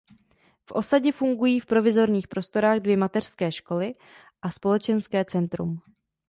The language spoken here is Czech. V osadě fungují v provizorních prostorách dvě mateřské školy a společenské centrum.